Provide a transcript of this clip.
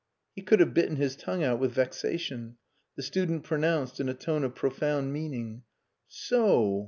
He could have bitten his tongue out with vexation. The student pronounced in a tone of profound meaning "So!